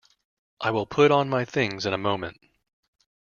I will put on my things in a moment.